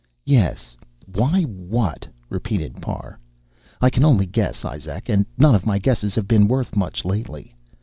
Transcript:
"Yes, why what?" repeated Parr. "I can only guess, Izak, and none of my guesses have been worth much lately.